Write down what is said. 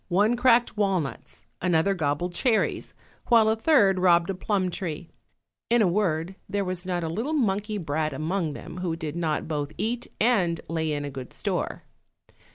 One cracked walnuts, another gobbled cherries, while a third robbed a plum tree; in a word, there was not a little monkey brat among them who did not both eat and lay in a good store.